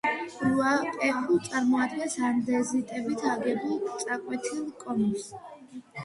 რუაპეჰუ წარმოადგენს ანდეზიტებით აგებულ წაკვეთილ კონუსს.